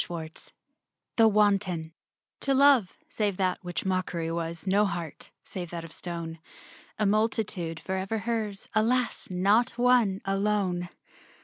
DAY DREAMS THE WANTON To love, save that which mockery w< No heart, save that of stone. A multitude forever hers, Alas — not one — alone!